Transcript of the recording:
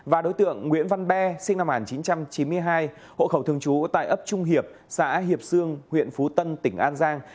và đối tượng nguyễn văn be sinh năm một nghìn chín trăm chín mươi hai hộ khẩu thường trú tại ấp trung hiệp xã hiệp sương huyện phú tân tỉnh an giang